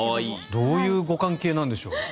どういうご関係なんでしょう？